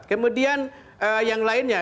kemudian yang lainnya